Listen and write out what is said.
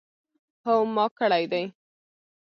هو ما کړی دی